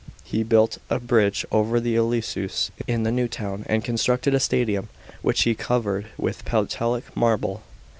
He built a bridge over the Ilissus in the new town, and constructed a Stadium, which he covered with Pentelic marble.